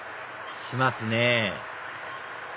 しますね